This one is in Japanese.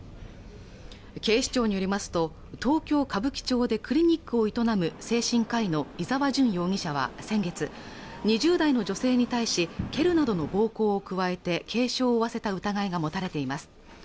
警視庁によりますと東京・歌舞伎町でクリニックを営む精神科医の伊沢純容疑者は先月２０代の女性に対し蹴るなどの暴行を加えて軽傷を負わせた疑いが持たれています